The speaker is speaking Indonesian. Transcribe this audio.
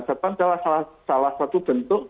jepang adalah salah satu bentuk